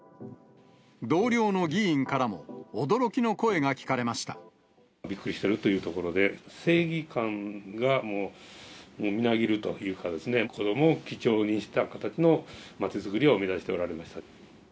同僚の議員からも、驚きの声びっくりしてるというところで、正義感がもう、みなぎるというかですね、子どもを基調にした形の街づくりを目指しておられました。